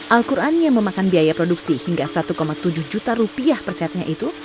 al qur'an yang memakan biaya produksi hingga satu tujuh juta rupiah persetanya itu